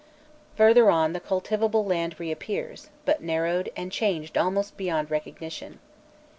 Further on the cultivable land reappears, but narrowed, and changed almost beyond recognition.